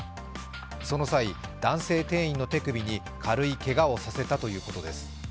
その際、男性店員の手首に軽いけがをさせたということです。